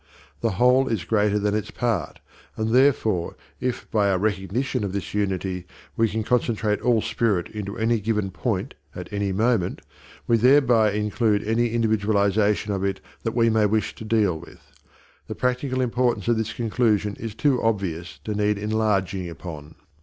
The whole is greater than its part, and therefore, if, by our recognition of this unity, we can concentrate all spirit into any given point at any moment, we thereby include any individualization of it that we may wish to deal with. The practical importance of this conclusion is too obvious to need enlarging upon.